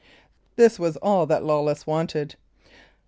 This was all that Lawless wanted.